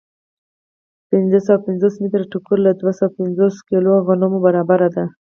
پنځه پنځوس متره ټوکر له دوه سوه پنځه پنځوس کیلو غنمو برابر دی